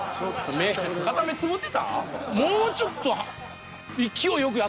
目片目つぶってた？